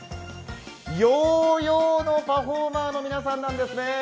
ヨーヨーのパフォーマーの皆さんなんですね。